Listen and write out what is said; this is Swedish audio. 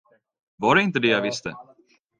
Var det inte det jag visste?